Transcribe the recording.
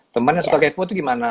temen yang suka kepo itu gimana